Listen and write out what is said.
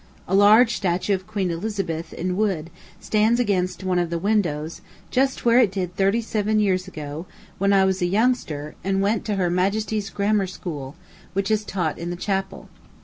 A large statue of Queen Elizabeth, in wood, stands against one of the windows, just where it did thirty seven years ago, when I was a youngster, and went to her majesty's grammar school, which is taught in the chapel.